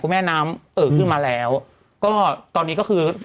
แม่น้ำเอ่อขึ้นมาแล้วก็ตอนนี้ก็คือ